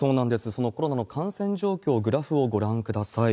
コロナの感染状況、グラフをご覧ください。